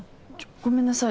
ごめんなさい。